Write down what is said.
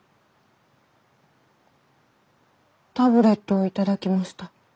タブレットを頂きました。